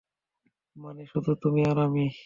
মানে, শুধু তুমি আর আমি?